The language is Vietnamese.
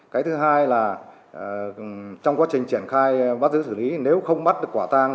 cái thứ hai là trong quá trình triển khai bắt giữ xử lý nếu không bắt được quả tang